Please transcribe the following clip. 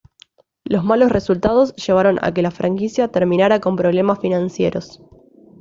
Los malos resultados llevaron a que la franquicia terminara con problemas financieros.